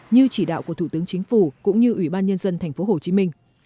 như chỉ đạo của thủ tướng chính phủ cũng như ủy ban nhân dân tp hcm